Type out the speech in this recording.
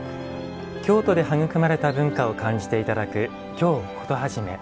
京都で育まれた文化を感じていただく「京コトはじめ」。